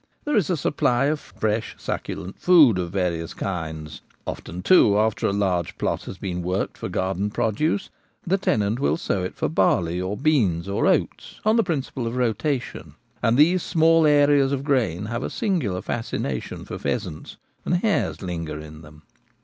There is a supply of fresh, succulent, food of various kinds : often too, after a large plot has been worked for garden produce, the tenant will sow it for barley or beans or oats, on the principle of rotation ; and these small areas of grain have a singular fasci nation for pheasants, and hares linger in them.